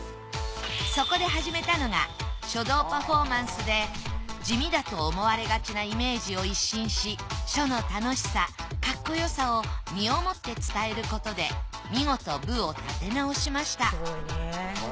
そこで始めたのが書道パフォーマンスで地味だと思われがちなイメージを一新し書の楽しさかっこよさを身をもって伝えることで見事部を立て直しました。